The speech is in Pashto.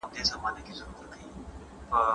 سپین سرې لښتې ته د پام کولو سپارښتنه وکړه.